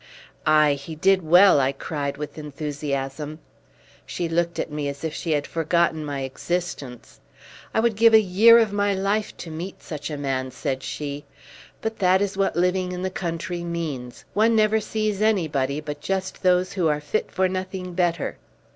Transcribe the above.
"Aye, he did well!" I cried with enthusiasm. She looked at me as if she had forgotten my existence. "I would give a year of my life to meet such a man," said she. "But that is what living in the country means. One never sees anybody but just those who are fit for nothing better."